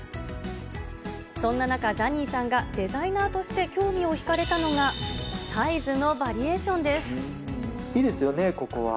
そんな中、ザニーさんがデザイナーとして興味を引かれたのが、サイズのバリいいですよね、ここは。